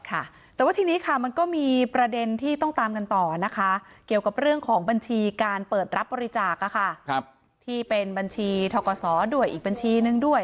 แต่ว่าทีนี้ค่ะมันก็มีประเด็นที่ต้องตามกันต่อนะคะเกี่ยวกับเรื่องของบัญชีการเปิดรับบริจาคที่เป็นบัญชีทกศด้วยอีกบัญชีนึงด้วย